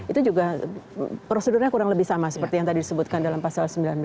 itu juga prosedurnya kurang lebih sama seperti yang tadi disebutkan dalam pasal sembilan belas